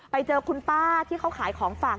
ไปเจอคุณป้าที่เขาขายของฝาก